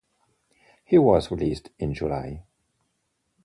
He was released in July.